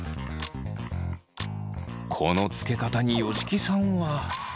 このつけ方に吉木さんは。